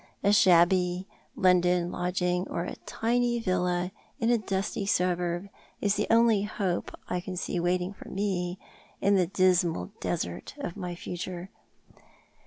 A shabby London lodging or a tiny villa in a dusty suburb is the only home I can see waiting for me in the dismal desert of my future.